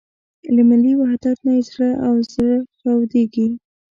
له ملي وحدت نه یې زړه او زره چاودېږي.